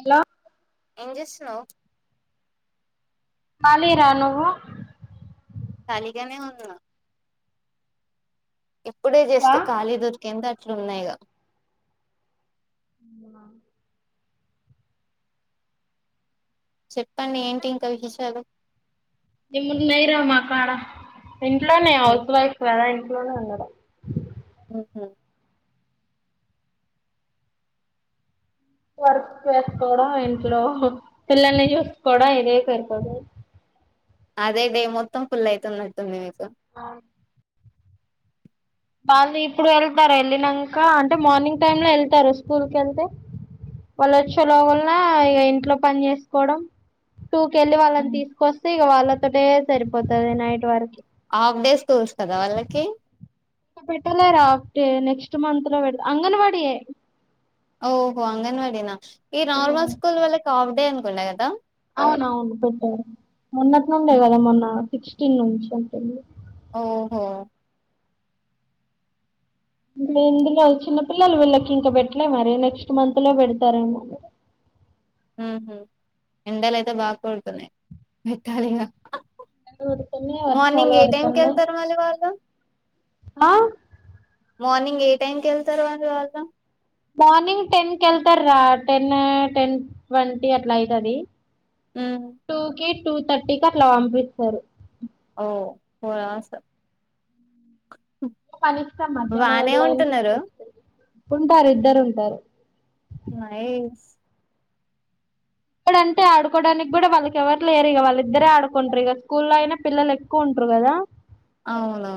Hello ఏం చేస్తున్నావు కాళీ రా నువ్వు కాళిగానే ఉన్నా ఇప్పుడే ఆ జస్ట్ ఖాళీ దొరికింది అట్లు ఉన్నా ఇగా ఉమ్మ చెప్పండి ఏంటి ఇంకా విశేషాలు నిమ్ ఉన్నాయి రా మాకాడ ఇంట్లోనే హౌస్ వైఫ్ కదా ఇంట్లోనే ఉండ ఉహు వర్క్ చేసుకోవడం ఇంట్లో పిల్లల్ని చూసుకోవడం ఇదే సరుపోదు అదే డే మొత్తం ఫుల్ అవుతున్నట్టుంది మీరు అ వాళ్ళు ఇప్పుడు వెళ్తారు వెళ్ళినాక అంటే మార్నింగ్ టైమ్ లో వెళ్తారు స్కూల్ కి వెళ్తే వాళ్ళొచ్చే లోగులన ఇక ఇంట్లో పని చేసుకోవడం టూకెళ్ళి వాళ్ళని తీసుకొస్తే ఇక వాళ్ళతోటే సరిపోతది నైట్ వరకు హాఫ్ డేస్ స్కూల్స్ కదా వాళ్ళకి ఆ పెట్టలే రాఫటే నెక్స్ట్ మంత్ లో పెడ అంగన్వడి ఓహో అంగన్వడిన ఈ నార్మల్ స్కూల్ వల్లకి హాఫ్ డే అనుకుంట కదా అవునవును పెట్టారు మొన్నట్ నుండే కదా మొన్న సిక్స్టీన్ నుంచి అంటుంది ఓహో ఇందులో చిన్న పిల్లలు వీళ్ళకి ఇంకా పెట్టలే మరి నెక్స్ట్ మంత్ లో పెడతారేమో ఉహు ఎండలు అయితే బాగ కొడుతున్నాయి పెట్టాలిగా ఊరుతనే వర్షాలు మార్నింగ్ ఏ టైమ్కి పడుతున్నాయి వెళ్తారు మళ్ళీ వాళ్ళు ఆ మార్నింగ్ ఏ టైంకి వెళ్తారు వాళ్ళు వాళ్ళ మార్నింగ్ టెన్ కి వెళ్తారు రా టెన్ టెన్ ట్వంటీ అట్లా అయితది ఉ టూ థర్టీ కి అట్లా పంపిస్తారు ఓ ఫస పని ఇస్తాం మధ్యాహ్నం వెళ్ళ అని ఉంటున్నారు తీసుకొచ్చేది ఉంటారు ఇద్దరు ఉంటారు నైస్ ఇప్పుడు అంటే ఆడుకోడానికి కూడా వాళ్ళకి ఎవరు లేరు ఇగ వాళ్ళిద్దరే ఆడుకుంటారు ఇక స్కూల్లో అయినా పిల్లలు ఎక్కువ ఉన్ ప్రు కదా అవునా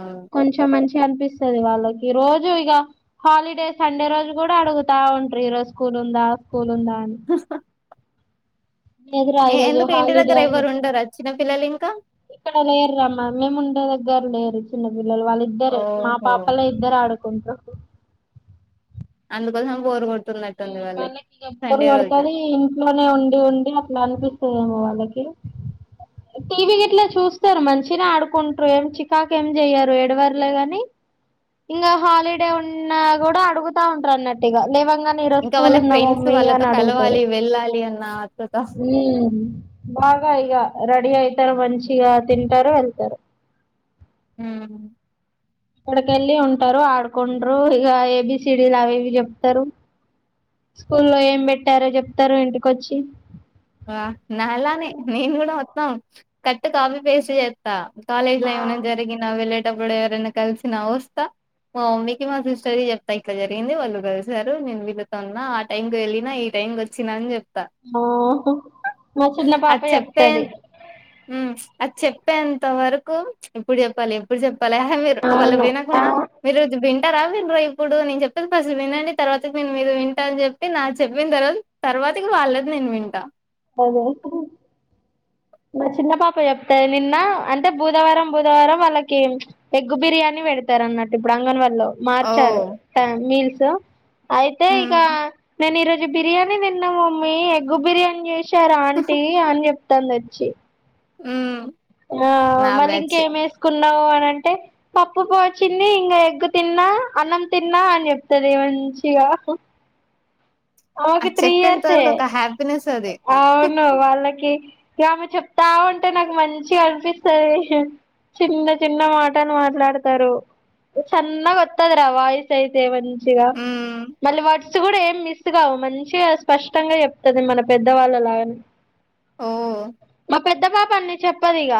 కనిపిస్తాది వాళ్ళకి రోజు ఇగ హాలిడే సండే రోజు కూడా అడుగుతా ఉంటారు ఈరోజు స్కూ ల్ ఉందా స్కూల్ ఉందా అని సస్తా లేదురా ఈరోజు ఎందుకు ఇంటి హాలిడే దగ్గర అని ఎవరు చెప్తా ఉండరా చిన్న పిల్లలు ఇంకా ఇక్కడ లేర్రామ్మా మేము ఉండే ఇదరు లేరు చిన్న పిల్లలు వాళ్ళ ఇద్దరే మా ఓహో పాపలే ఇద్దరు ఆడుకుంటారు అందుకోసం గోర్ వాళ్లకి ఇగా బోర్ కొడతాది ఇంట్లోనే ఉండి ఉండి అట్లా అనిపి స్తదేమో వాళ్ళకి టీవీ గిట్లా చూస్తారు మంచిగనే ఆడుకుంటారు ఏం చికాకు ఏం చెయ్యారు ఎడవర్లే గాని ఇంగ హాలిడే ఉన్నా గుడా అడుగుతా ఉంటారు అన్నట్టు ఇగా లేవంగానే ఈరో ఇంకా స్కూల్ వాళ్ళ ఉందా ఫ్రెండ్స్ మమ్మీ వాళ్ళతో అని అడుగుతారు కలవాలి వెళ్ళాలి అన్న ఆతృత ఉహ్మ్ బాగా ఇగ రెడీ అయితారు మంచిగా తింటారు వెళ్తారు ఉమ్మ్ అక్కడికెళ్ళి ఉంటారు ఆడుకుంట్రు ఇక ఏబిసిడీలు అవి ఇవి చెప్తారు స్కూల్లో ఏం పెట్టారో చెప్తారు ఇంటికొచ్చి వా నాలానే నేను కూడా కట్టు కాపీ పేస్ట్ చెస్తా కాలేజ్ లో ఏమైనా జరిగినా వెళ్ళే టప్పుడు ఎవరైనా కలిసిన వస్తా మా మమ్మీకి మా సిస్టర్‌కి చెప్తా ఇట్లా జరిగింది వాళ్ళు కలిసారు నేను వీళ్ళతో ఉన్నా ఆ టైం కి వెళ్ళిన ఈ టైం కి వచ్చిన అని చే మోహో మా చిన్న పాప అది చెప్తే చెప్తది హ్మ్ అది చెప్పేంత వరకు ఎప్పుడు చెప్పాలి ఎప్పుడు చె ప్పాలి ఆ మిరు వాళ్ళు అవును ఆ వినకుండా ఈరోజు వి టారా వినరా ఇప్పుడు నేను చెప్పిది ఫస్ట్ వినండి తర్వాత నేను మీరు వింటా అని చెప్పి నా చెప్పిన తర్వాత తర్వా తకి వాళ్లది నేను వింటా అదే మా చిన్న పాప చెప్తాది నిన్న అంటే బుధవారం బుధవారం వాళ్ళకి ఎగ్ బిర్యానీ పెడతారు అన్నటు ఇప్పుడు అంగన్ వాల్లో మార్చారు ఓహ్! టై మీల్స్ అయితే ఇక హ్మ్. నేను ఈరో బిర్యానీ తిన్నా మమ్మీ ఎగ్గు బిర్యానీ చేసారు ఆంటీ అని చెప్తాంది వచ్చి ఉమ్మ్ ఆ మళ్ళీ ఇంకేం ఎసుకు కున్నావు అని అంటే పప్పు బువ్వ వచ్చింది ఇంకా ఎగ్గు తిన్నా అన్నం తిన్నా అని చెప్తుంది ఏ మంచిగా ఆది అది త్రీ చెప్పేంత ఇయర్సే వరకు ఒక హ్యాపీనెస్ అది. అవును వాళ్ళకి గమె చెప్తా ఉంటే నాకు మంచిగా అనిపిస్తాది చిన్న చిన్న మాటలు మాట్లాడతారు చన్నగ వత్తది రా వాయిస్ అయితే మంచిగా హ్మ్. మళ్ళీ వర్డ్స్ కూడా ఏం మి స్ కావు మంచిగా స్పష్టంగా చెప్తాది మన పెద్దవాళ్ళలాగానే ఉమ్మ్ పెద్ద పాప అన్ని చెప్పదు ఇగ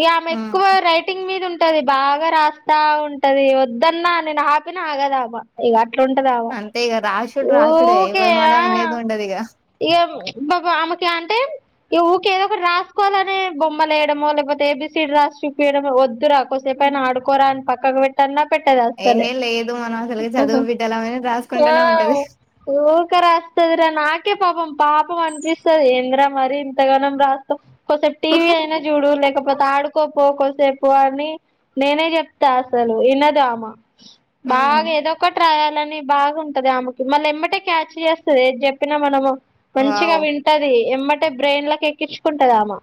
ఇగ ఆమె హ్మ్. ఎక్కువ రైటింగ్ మీద ఉం టది బాగా రాస్తా ఉంటది వద్దన్నా నేను ఆపిన ఆగదామే ఇగ అట్లుంటదామ అంతే ఇగ రాశుడు రాశుడే ఎవరు మాట వినేది ఉండది ఇగ ఇక మా బామకి అంటే ఈ ఉకే ఏదోకటి ఒకటి రాసుకోవాలనే బొమ్మలు ఎయడమో లేక్పోతే ఏబీసీడీ రాసి చూపియడమో వద్దురా కొసేపు హ్మ్. పైన ఆడుకోరాన్ పక్కకు పెట్టాన్నా పట్టద్ అస్సలే ఏహే! లేదు మనం అసలుకి చదువు బిడ్డలమని ఆ రాసుకుంటూనే ఉంటది. ఊకెరస్ వస్తుందిరా నాకే పాపం పాపం అనిపిస్తది ఏంద్రా మరి ఇంతగానం రాస్ కొసెప్ టీవీ అయినా చూడు లే కాకపోతే ఆడుకోపోకోసేపు అని నేనే చెప్తా అసలు వినదమ హ్మ్. బాగా ఏదో ఒకటి రాయాలని బాగుంటది ఆమెకి మళ్ళీ ఎమ్మటే క్యాచ్ చేస్తుది ఏది చెప్ చెప్పిన మనము మంచిగా వావ్! వింటది ఏమంటే బ్రెయిన్ల కేక్కించుకుంటదామా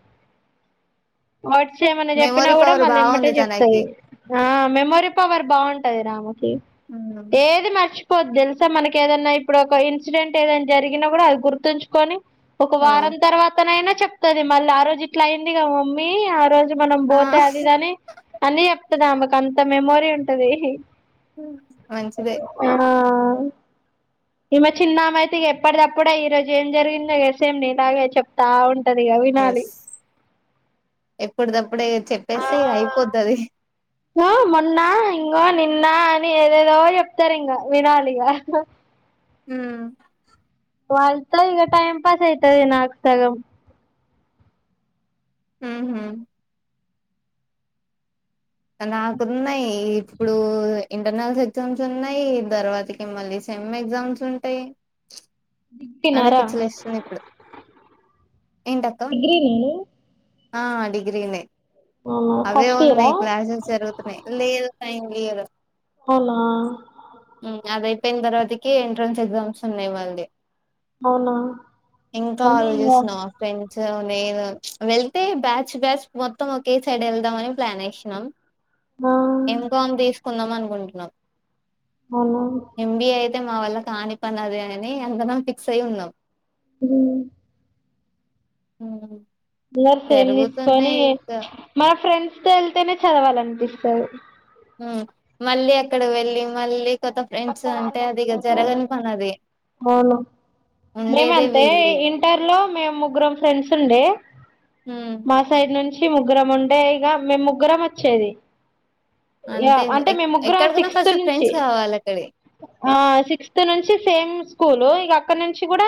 వాట్స్ ఏమన్నా చెప్పినా మెమోరీ కూడా పవర్ మళ్ళీ ఇమ్మటే బాగుంది చెప్తాంది తనకి ఆ మెమొరీ పవర్ బాగుంటది రా అమ్ కి ఏది మర్చిపోద్దు తెలుసా మనకేదన్నా ఇప్పుడు ఒక ఇన్సిడెంట్ ఏద జరిగినా కూడా అది గుర్తుంచుకొని ఒక వావ్ వారం తర్వాతనైనా చెప్తుది మళ్ళ ఆ రోజు ఇట్లా అయింది క మమ్మీ ఆ రోజు మనం ఆ పోతే అది ఇది అని అన్ని చెప్తదిా ఆమేకు అంత మేమొరీ ఉంటది మ్ మనంచిదే ఆ ఈమె చిన్నామైతే ఇగ ఎప్పటిదప్పుడే ఈ రోజు ఏం జరిగిందో సేంనిలాగే చెప్తా ఉంటది ఇగ వినాలి ఎస్ ఎప్పుటిదప్పుడే చెప్పేస్తే ఇగ అయిపోతది ఇగో మొన్న ఇంగో నిన్న అని ఏదేదో చెప్తారింగా వినాలిగా మ్ వాళ్ళతో ఇగ టైమ్ పాస్ అయితది నాకు సగం మ్ హు నాకున్నా ఇ ఇప్పుడు ఇంటర్నల్స్ ఎగ్జామ్స్ ఉన్నాయ్ తర్వాతకి మళ్ళీ సెమ్ ఎగ్జామ్స్ ఉంటాయ్ అదే తిన్నారా పిచ్చిలేస్తుంది ఇప్పుడు ఏంటక్క డిగ్రీ నేను ఆ డిగ్రీనే అవునా అవే ఫస్ట్ ఇయరా ఉన్నాయ్ క్లాసెస్ జరుగుతున్నాయ్ లేదు టైం లేద అవునా అపోయిన తర్వాతకి ఎంట్రన్స్ ఎ్జామ్స్ ఉన్నాయ్ మళ్ళీ అవునా ఇంకా అన్నీ ఇగ ఆలోచస్తున మ ఫ్రెండ్స్ లేదు వెళ్తే బ్యాచ్ బ్యాచ్ మొత్తం ఒకే సైడ్ వెళ్దామని ప్లాన్ ఎసినాం ఆ ఏంకామ్ తీసుకుందాం అనుకుంటున్నాం అవునా ఎంబీఏ అయితే మా వల్ల కాని పని అది అని అందరం ఫిక్స్ అయి ఉన్నాం మ్ మ్ అందరు సేమ్ తీసుకొని మన ఫ్రెండ్స్ తో వెళ్తేనే చదవాలనిపిస్తది మ్ మళ్ళీ అక్కడ వెళ్ళి మళ్ళీ కొత్త ఫ్రెండ్స్ వాళ్ళు అంటే అది ఇగ జరగని వస్తారు పని అది అవును ఉండేదే మేమంతే వీళ్ళు ఇక ఇంటర్ లో మేము ముగ్గురం ఫ్రెండ్స్ ఉండే ఉమ్, మా సైడ్ నుంచి ముగ్గురం ఉండే ఇగ మేము ముగ్గురం వచ్చేది యా అంతే అంటే ఎక్- మీమ్ ముగ్గురం ఎక్కడికన్నా సిక్స్త్ ఫస్ట్ నుంచి ఫ్రెండ్స్ కావాలి అక్కడి ఆ సిక్స్త్ నుంచి సేమ్ స్కూల్ ఇగ అక్కడ నుంచి కూడా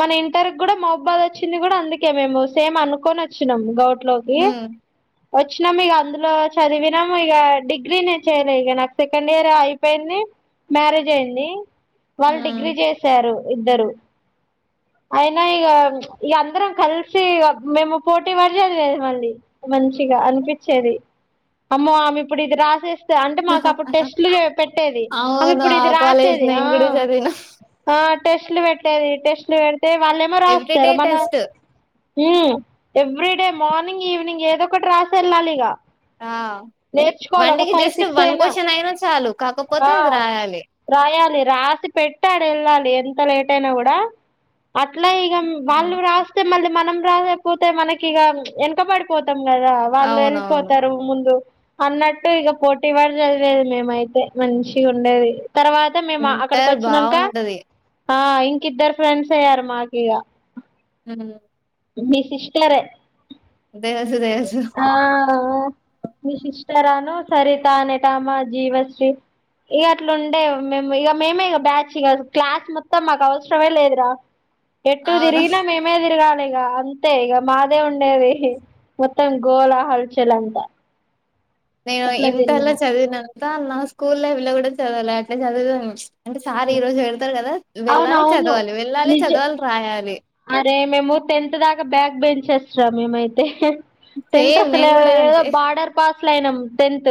మన ఇంటర్ కూడా మవ్బాద్ వచ్చింది కూడా అందుకే మేము సేమ్ అనుకోన అచ్చినాం గౌట్లోకి ఉమ్, వచ్చినాము ఇగ అందులో చదివినాము ఇగ డిగ్రీ నేను చేయలే ఇగ నాకు సెకండ్ ఇయర్ అయిపోయింది మ్యారేజ్ అయింది వాళ్ళు ఉమ్. డిగ్రీ చేసారు ఇద్దరు అయినా ఇగ ఇగ అందరం కలిసి గ మేము పోటీ చదివేది మళ్ళి మంచి గా అనిపించేది అమ్మో ఆమె ఇప్పుడు ఇది రాసేస్ అంటే మాకు అప్పుడు టెస్ట్లు పెట్టేది అవును ఇప్పుడు ఆ ఇది కాలేజ్ రాసేది ఆ నేను కూడా చదివిన ఆ టెస్ట్లు పెట్టేది టెస్ట్లు పెడి తే వాళ్ళేమో ఎవ్రీడే రాస్తారు మన test um every morning evening ఏదో ఒకటి రాసి వెళ్ళాలి ఇక ఆ నేర్చుకోవాలి వన్ ఒక డేకి ఫైవ్ జస్ట్ సిక్స్ వన్ అయినా క్వశ్చన్ చాలు కాకపోతే అది రాయాలి రాయాలి రాసి పెట్టీ ఆడ వెళ్ళాలి ఎంత లేట్ అయినా కూడా అట్ల ఇక వాళ్ళు అవును రాస్తే మళ్ళీ మనం రాయకపోతే మనకి ఇక వెనకబడిపోతు పోతం కదా వాళ్ళు అవునవును వెళ్ళిపోతరు ముందు అన్నట్టు ఇక పోటీ పడి చదివేది మేమయితే మంచిగుండేది తర్వాత మేము అక్కడికి ఇంటర్ వచ్చినంక బాగుంటది ఆ ఇంకిద్దరు ఫ్రెండ్స్ అయ్యారు మాకు ఇక హ మీ సిస్టరే తెలుసు తెలుసు సిస్టరను సరిత అనేెటామ జీవశ్రీ ఇక అట్ల ఉండే మేము ఇక మేమే ఇక బ్యాచ్ ఇక క్లాస్ మొత్తం మాకు అవసరమే లేదురా ఎటు అవును తిరిగినా మేమే తిరగాలి ఇక అంతే ఇక మాదే ఉండేది మొత్తం గోలా హల్చల్ అంత నేను ఇంటర్లో చదివినంత నా స్కూల్ లైఫ్ లో కూడా చదవాలే అట్ల చదివాం అంటే సార్ ఈ రోజు పెడతడు కదా వెళ్ళాలి అవునవును చదవాలి వెళ్ళాలి నిజ చదవాలి రాయాలి అరే మేము టెన్త్ దాకా బ్యాగ్ బెంచర్స్రా మేమయితే టెన్త్ సేమ్ అసలు నేను కూడా ఏదో అంతే బార్డర్ పాస్ల అయినాం టెన్త్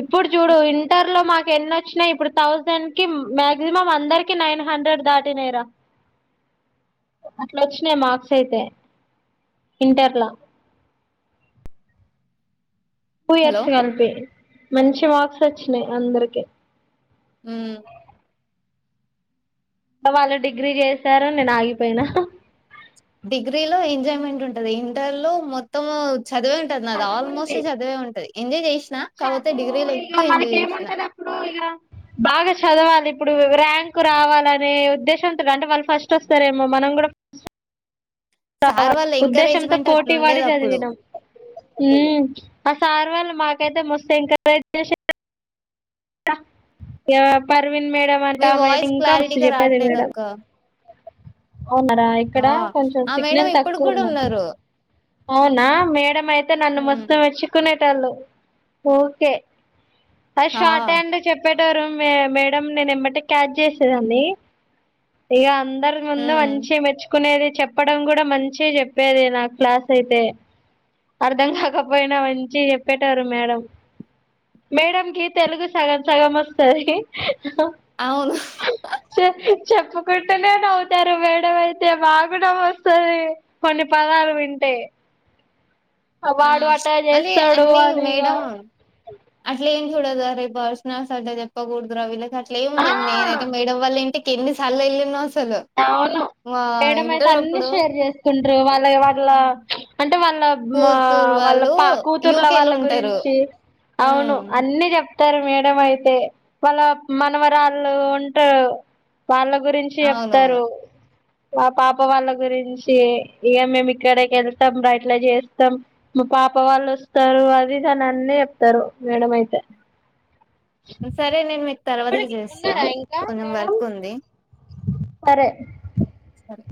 ఇప్పుడు చూడు ఇ ఇంటర్ లో మాకు ఎన్ని వచ్చినయి ఇప్పుడు థౌజండ్ కి మాక్సిమం అందరికి నైన్ హండ్రెడ్ దాటినయిరా అ అట్లోచ్చినయి మార్క్స్ అయితే ఇంటర్లా టూ హలో ఇయర్స్ కలిపి మంచి మార్క్స్ వచ్చినయి అందరికి ఉమ్ ఇంగ వాళ్ళు డిగ్రీ చేశారు నేను ఆగిపోయినా డిగ్రీ లో ఎంజాయ్మెంట్ ఉంటది ఇంటర్ లో మొత్తము చదివే ఉంటది నాది ఆల్మోస్ట్ చదువుంది చదివే ఉంటది ఎజాయ్ చేసిన చదువు ఇక మనకేం ఉంటది అప్పుడు ఇక బాగా చదవాలి ఇప్పుడు ర్యాంకు రావాలనే ఉద్దేశంతోటి అంటే వాళ్ళు ఫస్ట్ వస్తరేమో మ నేను కూడా ఫస్ట్ సార్ రావాలనే వాళ్ళ ఉద్దేశంతో ఎంకరేజ్‌మెంట్ పోటీ పడి అట్లుండేదప్పుడు. చదివినం సార్ వాళ్ళు మాకైతే మస్తు ఎంకరేజ్ చేసే ఫర్హీన్ మేడమ్ అంట మీ ఆమె వాయిస్ ఇంకా మస్తు క్లారిటీగా చెప్పేది మేడమ్ రాట్లేదక్క. అవునారా ఇక్కడ ఆ! కొంచెం ఆ మేడం సిగ్నల్ ఇప్పటికి తక్కువ గూడా ఉన్నట్టుంది ఉన్నారు. అవునా మేడమయితే నన్ను హ్మ్. మస్తు మెచ్చుకునేటోళ్ళు ఊకే అది ఆ! షార్ట్ హ్యాండ్ చెప్పే టోళ్లు మేడమ్ నేను ఎమ్మటే క్యాచ్ చేసేదాన్ని ఇక అం అందరి ముందు హ్మ్. మంచిగ మెచ్చుకునేది చెప్పడం కూడా మంచిగ చెప్పేది నాకు క్లాస్ అయితే అర్థం కాకపోయినా మంచిగ చెప్పేటోరు మేడమ్ మేడమ్కి తెలుగు సగం సగం వస్తది అవును. చెప్పి చెప్పుకుంటనే నవ్వుతరు మేడమయితే మాకు నవ్వొస్తది కొన్ని పదాలు వింట టే వాడు హ్మ్. అట్టా మళ్ళీ చేస్తడు అన్నీ అని ఇగ మేడం అట్లేం చూడదు అరే పర్సనల్స్ అట్ల చెప్పకూడదురా వీళ్ళకి అట్ల ఏం ఉండదు నేనైతే ఆ మేడమ్ వాళ్ళ ఇంటి ఎన్ని సార్లు ఎల్లిన్నో అసలు అవును మా మేడం అయితే ఇంటర్ అన్ని అప్పుడు షేర్ చేసుకుంట్ర వాళ్ళ వాళ్ళ హ్మ్. అంటే వాళ్ళ కూతురు వాళ్ళ వాళ్ళు కూతుర్ల యూకేలో వాళ్ళ ఉంటారు. గురించి అవును హ్మ్. అన్నీ చెప్ వతారు మేడం అయితే వాళ్ళ మనవరాళ్ళు ఉంటా వాళ్ళ గురించి అవునవును. చెప్తారు మా పాప వాళ్ళ గురించి ఇగ మేము ఇక్కడకి వెళ్తాంర ఇట్ల చేస్తాం మా పాప వాళ్ళు వస్తారు అది ఇది అన్ని చెప్తారు మేడం అయితే సరే నేను మీకు తర్వాతకి ఇప్పటికి చేస్తా ఉన్నారా ఇంకా కొంచెం మేడం వర్క్ ఉంది సరే సరే